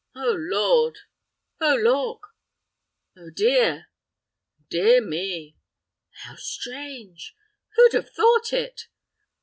"Oh Lord!" "Oh lauk!" "Oh dear!" "Dear me!" "How strange!" "Who'd have thought it!"